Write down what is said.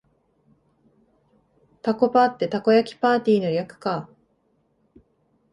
タコパってたこ焼きパーティーの略か